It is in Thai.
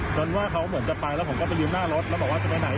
ว่าเขาเหมือนจะไปแล้วผมก็ไปยืมหน้ารถแล้วบอกว่าจะไปไหน